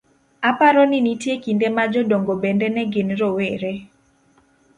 Aparo ni nitie kinde ma jodongo bende ne gin rowere